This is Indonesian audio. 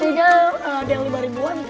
satunya ada yang beribuan